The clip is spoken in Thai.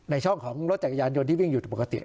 ช่องของรถจักรยานยนต์ที่วิ่งอยู่ปกติ